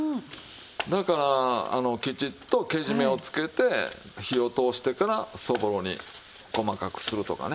だからきちっとけじめをつけて火を通してからそぼろに細かくするとかね。